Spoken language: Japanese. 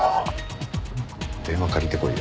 電話借りてこいよ。